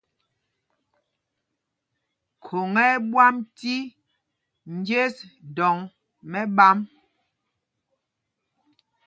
Khôŋ ɛ́ ɛ́ ɓwam cī njes dɔ̌ŋ mɛ̄ɓām.